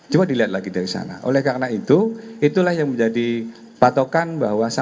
coba dilihat lagi dari sana